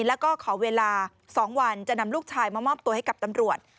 แล้วก็ขอเวลา๒วันจะนำลูกชายมามอบตัวให้กับตำรวจ